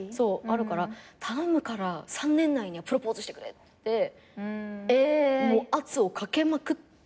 あるから頼むから３年以内にはプロポーズしてくれってもう圧をかけまくってしてもらったから。